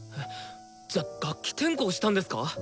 じゃ楽器転向したんですか！？